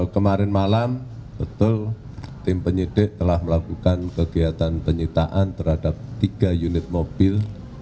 kemarin malam betul tim penyidik telah melakukan kegiatan penyitaan terhadap tiga unit mobil